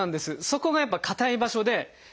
そこがやっぱ硬い場所で。